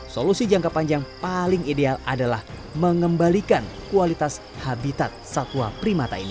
solusi jangka panjang paling ideal adalah mengembalikan kualitas habitat satwa primata ini